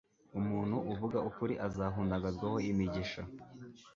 Umuntu uvuga ukuri azahundagazwaho imigisha